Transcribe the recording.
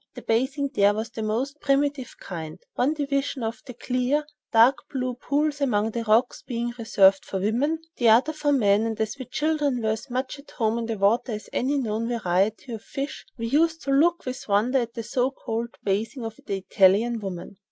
The bathing here was of the most primitive kind, one division of the clear, dark blue pools among the rocks being reserved for women, the other for men, and as we children were as much at home in the water as any known variety of fish, we used to look with wonder at the so called bathing of the Italian women.